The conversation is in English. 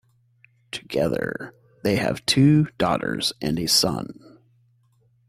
Together they have two daughters and a son.